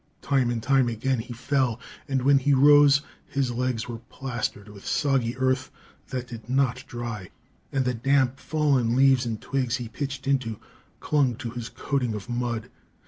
Time and time again he fell, and when he rose his legs were plastered with soggy earth that did not dry; and the damp, fallen leaves and twigs he pitched into clung to his coating of mud.